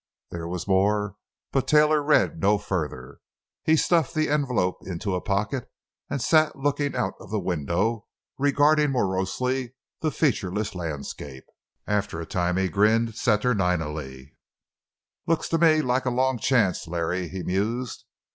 There was more, but Taylor read no further. He stuffed the envelope into a pocket and sat looking out of the window, regarding morosely the featureless landscape. After a time he grinned saturninely: "Looks to me like a long chance, Larry," he mused.